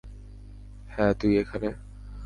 হ্যাঁ তুই এখানে?